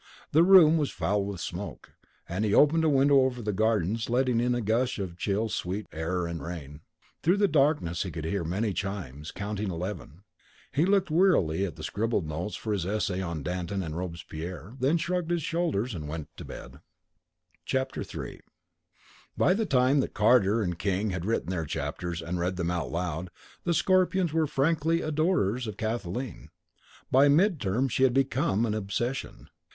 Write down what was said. The room was foul with smoke, and he opened a window over the gardens letting in a gush of chill sweet air and rain. Through the darkness he could hear many chimes, counting eleven. He looked wearily at the scribbled notes for his essay on Danton and Robespierre: then shrugged his shoulders and went to bed. III By the time that Carter and King had written their chapters and read them aloud, the Scorpions were all frankly adorers of Kathleen; by midterm she had become an obsession.